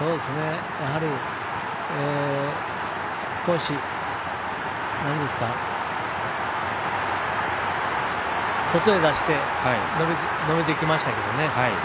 やはり少し外へ出してのびていきましたけどね。